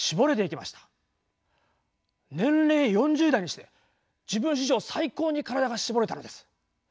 年齢４０代にして自分史上最高に身体が絞れたのです。